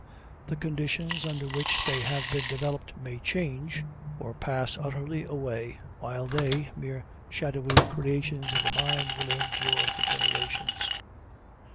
The conditions under which they have been developed may change, or pass utterly away, while they, mere shadowy creations of the mind, will endure for generations.